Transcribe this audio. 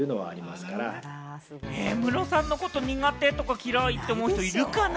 ムロさんのことを苦手とか嫌いとか思う人いるかな？